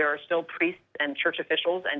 เราต้องรับภาษาพิจารณะ